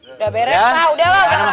sudah beres pak